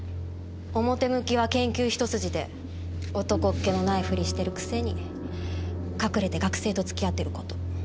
表向きは研究一筋で男っ気のないふりしてるくせに隠れて学生と付き合ってること。